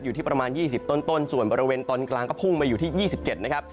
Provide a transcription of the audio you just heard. อยู่ที่ประมาณ๒๐ต้นส่วนบริเวณตอนกลางก็พุ่งมาอยู่ที่๒๗นะครับ